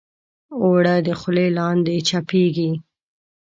اوړه د خولې لاندې چپېږي